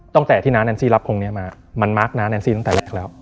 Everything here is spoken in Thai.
ตั้งแต่ที่น้าแอนซี่รับคงนี้มามันมาร์คน้าแนนซี่ตั้งแต่แรกแล้ว